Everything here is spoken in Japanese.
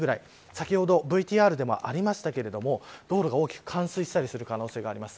先ほどＶＴＲでもありましたが道路が大きく冠水したりする可能性があります。